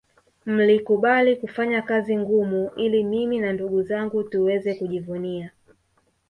Mlikubali kufanya kazi ngumu ili mimi na ndugu zangu tuweze kujivunia